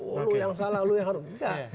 oh lu yang salah lu yang harus enggak